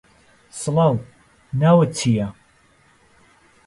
سڵاو، ناوت چییە؟